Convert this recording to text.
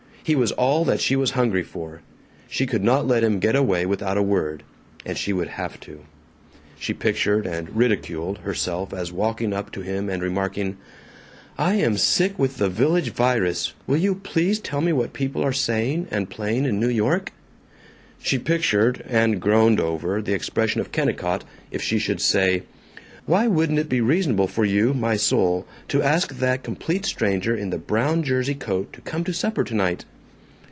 He was all that she was hungry for. She could not let him get away without a word and she would have to. She pictured, and ridiculed, herself as walking up to him and remarking, "I am sick with the Village Virus. Will you please tell me what people are saying and playing in New York?" She pictured, and groaned over, the expression of Kennicott if she should say, "Why wouldn't it be reasonable for you, my soul, to ask that complete stranger in the brown jersey coat to come to supper tonight?"